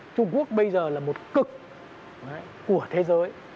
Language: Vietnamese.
trung quốc bây giờ là một cực của thế giới